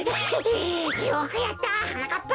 よくやったはなかっぱ！